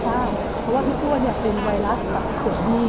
เพราะว่าพี่ตัวนิ่มเนี่ยเป็นไวรัสตัดผู้เสวยี